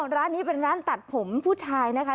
ร้านนี้เป็นร้านตัดผมผู้ชายนะคะ